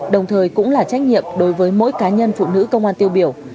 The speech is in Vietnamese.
đồng thời cũng là trách nhiệm đối với mỗi cá nhân phụ nữ công an tiêu biểu